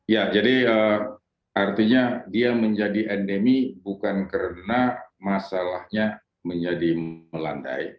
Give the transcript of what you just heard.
ya jadi artinya dia menjadi endemi bukan karena masalahnya menjadi melandai